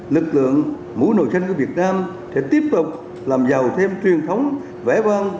lực lượng mũ nổi xanh của việt nam sẽ tiếp tục làm giàu thêm truyền thống vẽ vang